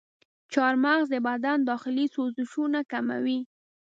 چارمغز د بدن داخلي سوزشونه کموي.